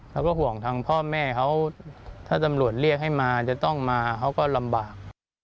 เขาก็ห่วงทางพ่อแม่เขาถ้าตำรวจเรียกให้มาจะต้องมาเขาก็ลำบาก